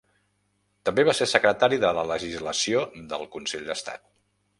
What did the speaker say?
També va ser secretari de la legislació del Consell d'Estat.